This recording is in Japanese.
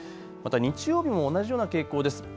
また日曜日も同じような傾向です。